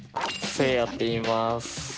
せいやっていいます。